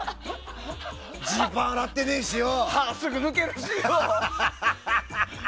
ジーパン洗ってねえしよ。